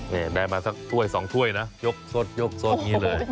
นี่แวะมาสักถ้วยสองถ้วยนะยกซดยกซดงี้เลย